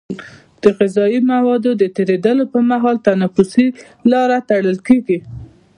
د غذایي موادو د تیرېدلو پر مهال تنفسي لاره تړل کېږي.